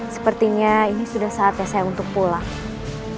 sepertinya ini sudah saatnya saya untuk pulang